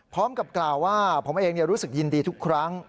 พร้อมกับกล่าวว่าผมเองรู้สึกยินดีทุกครั้ง